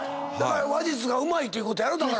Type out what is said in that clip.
だから話術がうまいということやろ。